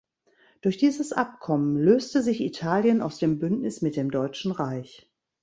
Durch dieses Abkommen löste sich Italien aus dem Bündnis mit dem Deutschen Reich.